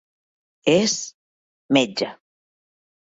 És metge.